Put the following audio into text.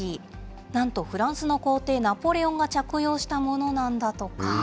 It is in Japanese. なんとフランスの皇帝、ナポレオンが着用したものなんだとか。